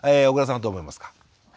緒倉さんはどう思いますか？